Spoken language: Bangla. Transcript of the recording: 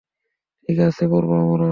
ঠিক আছে, পারবো আমরা।